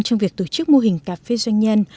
trong việc tổ chức mô hình cà phê doanh nhân